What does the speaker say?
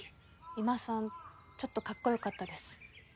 三馬さんちょっとかっこよかったです。